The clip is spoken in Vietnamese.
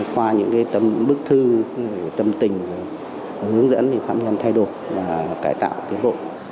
qua những bức thư tâm tình hướng dẫn thì phạm nhân thay đổi và cải tạo tiến bộ